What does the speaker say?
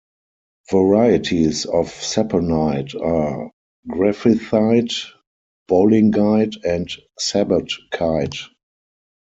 Varieties of saponite are griffithite, bowlingite and sobotkite.